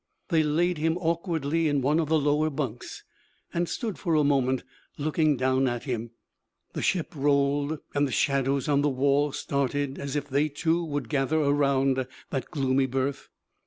They laid him awkwardly in one of the lower bunks, and stood for a moment looking down at him. The ship rolled, and the shadows on the wall started as if they, too, would gather around that gloomy berth.